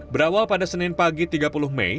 berawal pada senin pagi tiga puluh mei